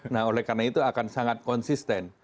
nah oleh karena itu akan sangat konsisten